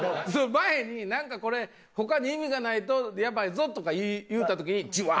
前になんかこれ他に意味がないとやばいぞとか言うた時にじわ。